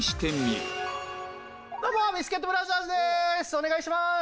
お願いします。